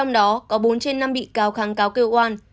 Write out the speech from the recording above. trong đó có bốn trên năm bị cáo kháng cáo kêu oan